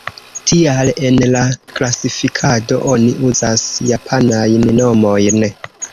Tial en la klasifikado oni uzas japanajn nomojn.